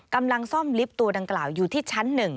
กำลังซ่อมลิฟต์ตัวดังกล่าวอยู่ที่ชั้น๑